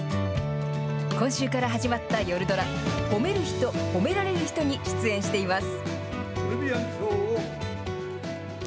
今週から始まった夜ドラ、褒めるひと褒められるひとに出演しています。